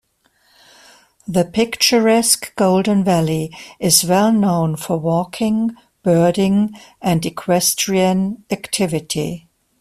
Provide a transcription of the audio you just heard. The picturesque Golden Valley is well known for walking, birding and equestrian activity.